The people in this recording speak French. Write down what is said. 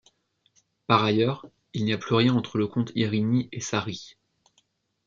Par ailleurs, il n'y a plus rien entre le comte Irini et Sari.